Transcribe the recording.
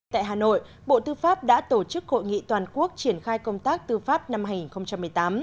tại hà nội bộ tư pháp đã tổ chức hội nghị toàn quốc triển khai công tác tư pháp năm hai nghìn một mươi tám